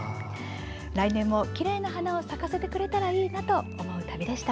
来年もきれいな花を咲かせてくれたらいいなと思う旅でした。